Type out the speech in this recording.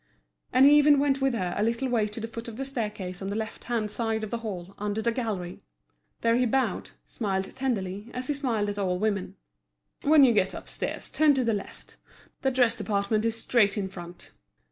And he even went with her a little way to the foot of the staircase on the left hand side of the hall under the gallery. There he bowed, smiling tenderly, as he smiled at all women. "When you get upstairs turn to the left. The dress department is straight in front."